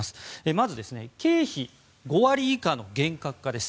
まず、経費５割以下の厳格化です。